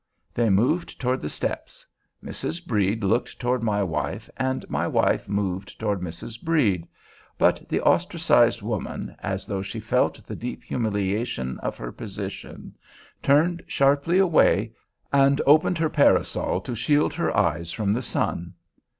They moved toward the steps. Mrs. Brede looked toward my wife, and my wife moved toward Mrs. Brede. But the ostracized woman, as though she felt the deep humiliation of her position, turned sharply away, and opened her parasol to shield her eyes from the sun.